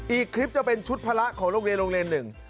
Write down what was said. อีกคลิปจะเป็นชุดภรระของโรงเรียน๑